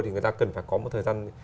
thì người ta cần phải có một thời gian